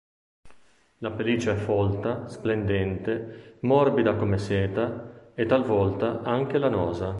La pelliccia è folta, splendente, morbida come seta e talvolta anche lanosa.